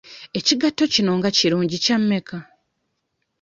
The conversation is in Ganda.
Ekigatto kino nga kirungi kya mmeka?